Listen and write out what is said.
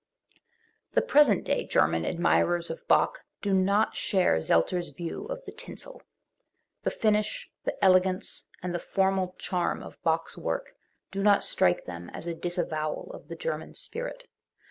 The present day German admirers of Bach do not, share Zelter's view of the "tinsel". The finish, the elegance and the formal charm of Bach's work do not strike them as a disavowal of the German spirit.